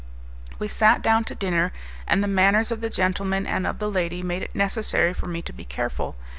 We sat down to dinner, and the manners of the gentleman and of the lady made it necessary for me to be careful.